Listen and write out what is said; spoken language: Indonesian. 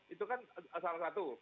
itu kan salah satu